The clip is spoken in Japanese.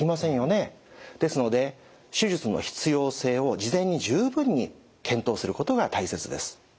ですので手術の必要性を事前に十分に検討することが大切です。